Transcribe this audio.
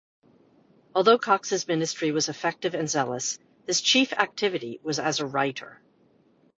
Although Cox's ministry was effective and zealous, his chief activity was as a writer.